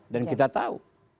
dan kita tahu